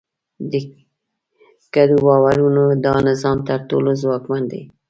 د ګډو باورونو دا نظام تر ټولو ځواکمن دی.